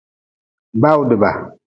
Bawdba.